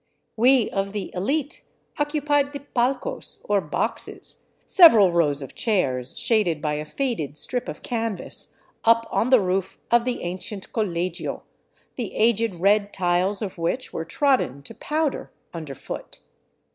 We of the elite occu pied the " palcos," or boxes — several rows of chairs shaded by a faded strip of canvas, up on the roof of the ancient colegio, the aged red tiles of which were trodden to powder underfoot.